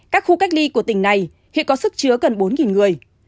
các khu cách ly của tỉnh này hiện có sức chứa gần bốn người